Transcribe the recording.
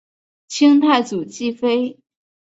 清太祖继妃。